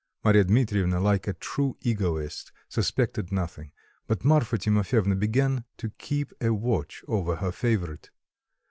Marya Dmitrievna, like a true egoist, suspected nothing; but Marfa Timofyevna began to keep a watch over her favourite.